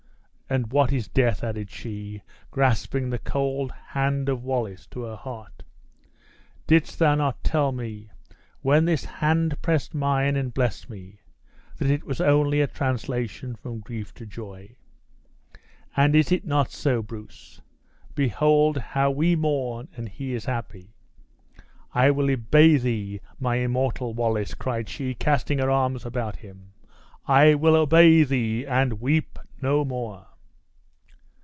And what is death?" added she, grasping the cold hand of Wallace to her heart. "Didst thou not tell me, when this hand pressed mine and blessed me, that it was only a translation from grief to joy? And is it not so, Bruce? Behold how we mourn and he is happy! I will obey thee, my immortal Wallace!" cried she, casting her arms about him; "I will obey thee, and weep no more!"